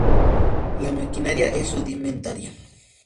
La maquinaria es rudimentaria.